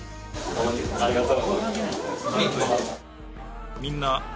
ありがとう。